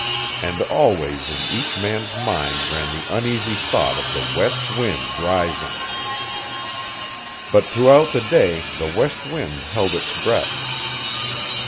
And always in each man's mind ran the uneasy thought of the west wind rising. But throughout the day the west wind held its breath.